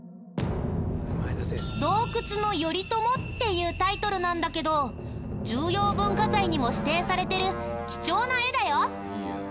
『洞窟の頼朝』っていうタイトルなんだけど重要文化財にも指定されてる貴重な絵だよ。